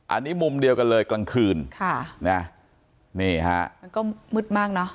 อันนี้มุมเดียวกันเลยกลางคืนมันก็มืดมากเนาะ